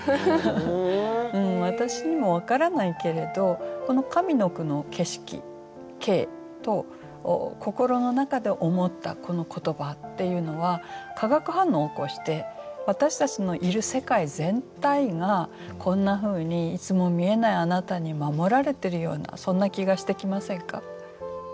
私にも分からないけれどこの上の句の景色「景」と心の中で思ったこの言葉っていうのは化学反応を起こして私たちのいる世界全体がこんなふうに「いつも見えないあなた」に守られてるようなそんな気がしてきませんか？